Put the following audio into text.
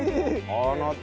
あなた。